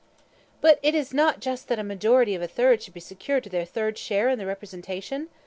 "But is it not just that a minority of a third should be secured their third share in the representation?"